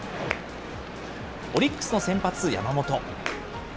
オリックスの先発、山本。